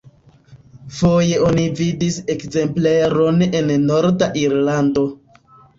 Foje oni vidis ekzempleron en norda Irlando.